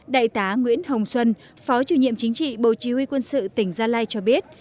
đại tá nguyễn hồng xuân phó chủ nhiệm chính trị bộ chỉ huy quân sự tỉnh gia lai cho biết